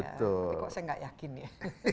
tapi kok saya nggak yakin ya